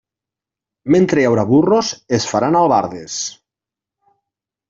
Mentre hi haurà burros es faran albardes.